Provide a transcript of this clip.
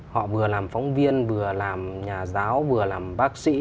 họ vừa làm phóng viên vừa làm nhà giáo vừa làm bác sĩ